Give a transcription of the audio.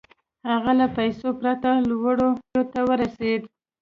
هغه له پيسو پرته لوړو پوړيو ته ورسېد.